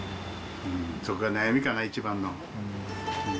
そこが悩みかな、一番の。